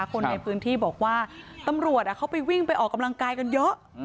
คนในพื้นที่บอกว่าตำรวจเขาไปวิ่งไปออกกำลังกายกันเยอะ